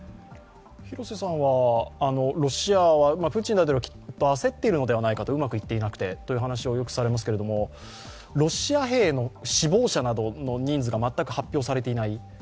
廣瀬さんはロシアはプーチン大統領、きっと焦っているのではないか、うまくいかなくてという話をよくされますけれども、ロシア兵の死亡者などの人数が全く発表されていない。